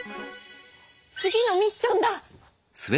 次のミッションだ。